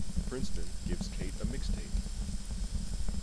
Princeton gives Kate a mixtape.